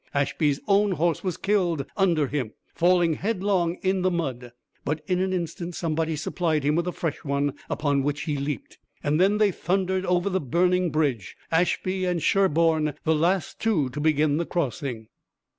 Ashby's own horse was killed under him, falling headlong in the mud, but in an instant somebody supplied him with a fresh one, upon which he leaped, and then they thundered over the burning bridge, Ashby and Sherburne the last two to begin the crossing.